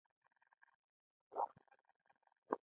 د افغانستان د ګرځندوی طلایي دوره په یاد شوه.